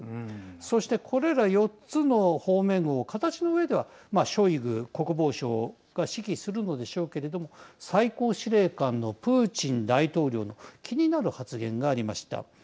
そしてこれら４つの方面を形のうえではショイグ国防相が指揮するのでしょうですけれども最高司令官のプーチン大統領の気になる発言がありました。